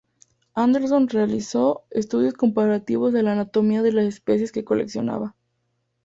Anderson realizó estudios comparativos de la anatomía de las especies que coleccionaba.